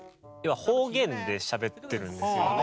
方言でしゃべってるんですよね。